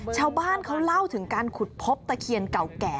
ชาวบ้านเขาเล่าถึงการขุดพบตะเคียนเก่าแก่